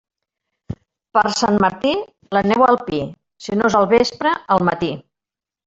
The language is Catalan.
Per Sant Martí, la neu al pi; si no és al vespre, al matí.